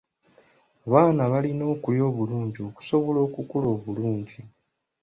Abaana balina okulya obulungi okusobola okukula obulungi.